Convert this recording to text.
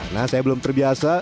nah saya belum terbiasa